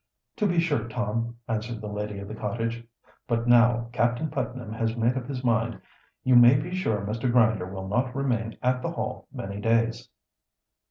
"To be sure, Tom," answered the lady of the cottage. "But now Captain Putnam has made up his mind, you may be sure Mr. Grinder will not remain at the Hall many days."